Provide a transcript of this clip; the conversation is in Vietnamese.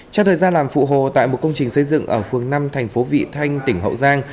trong thời gian làm phụ hồ tại một công trình xây dựng ở phường năm thành phố vị thanh tỉnh hậu giang